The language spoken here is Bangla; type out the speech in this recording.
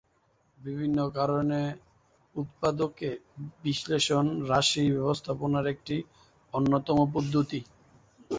বিভিন্ন কারণে উৎপাদকে বিশ্লেষণ রাশি ব্যবস্থাপনার একটি অন্যতম পদ্ধতি।